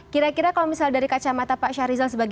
kira kira kalau misalnya dari kacamata pak syahrizal